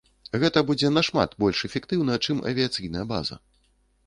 Гэта будзе нашмат больш эфектыўна, чым авіяцыйная база.